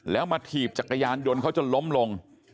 แล้วมาถีบจักรยานยนต์เขาจนล้มลง